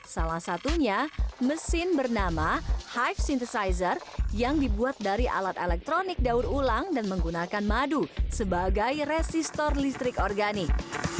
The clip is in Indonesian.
salah satunya mesin bernama hype sintesizer yang dibuat dari alat elektronik daur ulang dan menggunakan madu sebagai resistor listrik organik